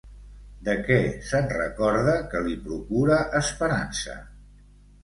De què se'n recorda, que li procura esperança?